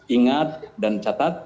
ingat dan catat